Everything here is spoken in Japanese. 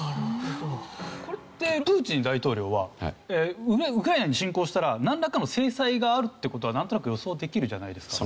これってプーチン大統領はウクライナに侵攻したらなんらかの制裁があるって事はなんとなく予想できるじゃないですか。